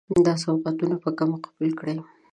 دا سوغاتونه په کمه قبول کړئ.